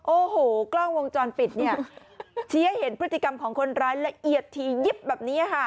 โอ้โหกล้องวงจรปิดเนี่ยชี้ให้เห็นพฤติกรรมของคนร้ายละเอียดถี่ยิบแบบนี้ค่ะ